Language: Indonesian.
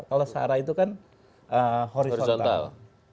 kalau sarah itu kan horizontal